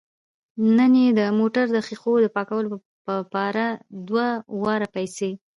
نن یې د موټر د ښیښو د پاکولو په پار دوه واره پیسې